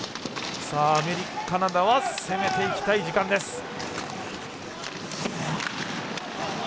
カナダは攻めていきたい時間です。